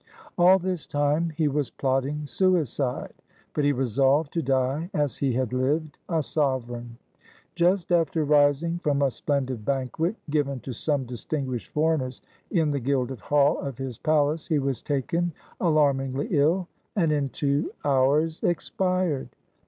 All this time he was plotting suicide; but he resolved to die as he had lived, — a sovereign. Just after rising from a splendid banquet, given to some distinguished foreigners in the "gilded hall" of his palace, he was taken alarmingly ill, and in two hours expired.